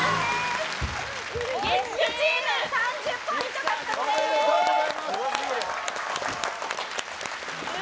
月９チーム３０ポイント獲得です。